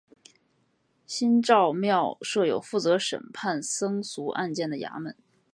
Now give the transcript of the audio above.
新召庙设有负责审判僧俗案件的衙门。